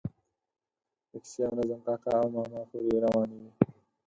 د کیسې او نظم کاکا او ماما پورې روانې وي.